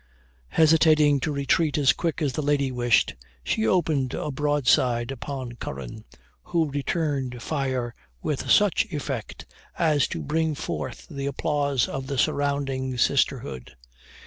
Hesitating to retreat as quick as the lady wished, she opened a broadside upon Curran, who returned fire with such effect as to bring forth the applause of the surrounding sisterhood.